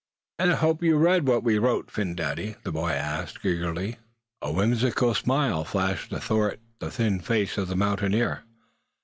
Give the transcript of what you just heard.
"And I hope you read what we wrote, Phin Dady?" the boy asked, eagerly. A whimsical smile flashed athwart the thin face of the mountaineer.